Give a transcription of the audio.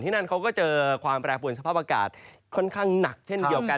นั่นเขาก็เจอความแปรปวนสภาพอากาศค่อนข้างหนักเช่นเดียวกัน